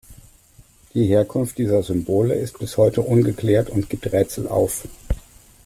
Die Herkunft dieser Symbole ist bis heute ungeklärt und gibt Rätsel auf.